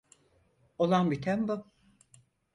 Olan biten bu.